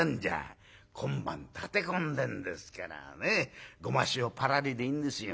今晩立て込んでんですからねっごま塩パラリでいいんですよ。